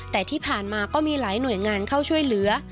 แต่ที่ผ่านมาก็มีหลายหน่วยงานเข้าช่วยเหลือ